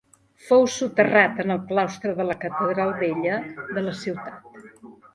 Fou soterrat en el claustre de la Catedral vella de la ciutat.